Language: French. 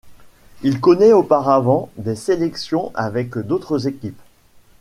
Il connaît auparavant des sélections avec d'autres équipes.